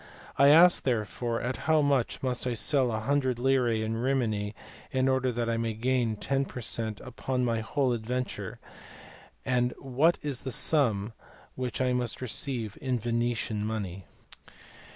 I ask therefore, at how much I must sell a hundred lire Eimini in order that I may gain 10 per cent, upon my whole adventure, and what is the sum which I must receive in Venetian money?